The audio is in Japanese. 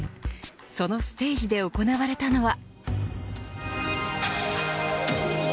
そのステージで行われたのは。